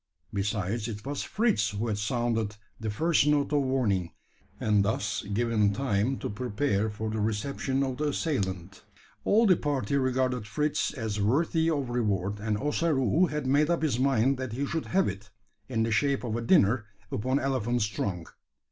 Besides, it was Fritz who had sounded the first note of warning, and thus given time to prepare for the reception of the assailant. All of the party regarded Fritz as worthy of reward; and Ossaroo had made up his mind that he should have it, in the shape of a dinner upon elephant's trunk.